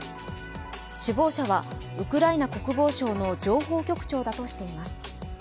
首謀者は、ウクライナ国防省の情報局長だとしています。